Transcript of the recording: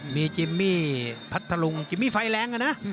มีจิมมี่พัทธลุงจิมมี่ไฟแรงนะ